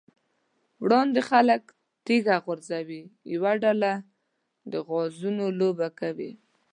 وړاندې خلک تيږه غورځوي، یوه ډله د غوزانو لوبه کوي.